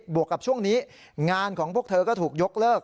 วกกับช่วงนี้งานของพวกเธอก็ถูกยกเลิก